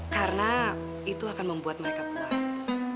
karena itu akan membuat mereka puas